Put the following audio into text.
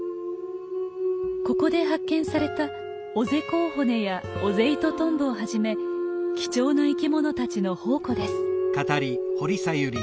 ここで発見されたオゼコウホネやオゼイトトンボをはじめ貴重な生き物たちの宝庫です。